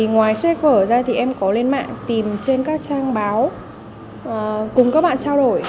thì ngoài sách vở ra thì em có lên mạng tìm trên các trang báo cùng các bạn trao đổi